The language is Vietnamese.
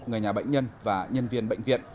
người nhà bệnh nhân và nhân viên bệnh viện